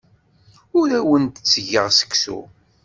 Ur awen-d-ttgeɣ seksu.